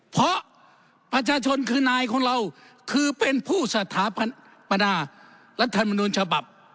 เพราะประชาชนคือนายของเราคือเป็นผู้สถาปนารัฐมนุนฉบับ